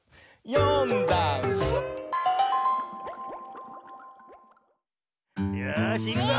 「よんだんす」よしいくぞ！